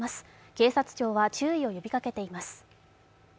警察庁は注意を呼びかけています。